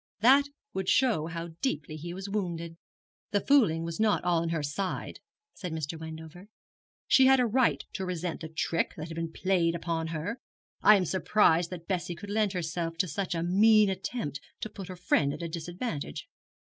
That would show how deeply he was wounded.' 'The fooling was not all on her side,' said Mr. Wendover. 'She had a right to resent the trick that had been played upon her. I am surprised that Bessie could lend herself to such a mean attempt to put her friend at a disadvantage.'